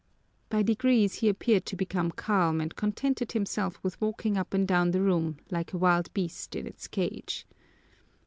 By degrees he appeared to become calm and contented himself with walking up and down the room like a wild beast in its cage.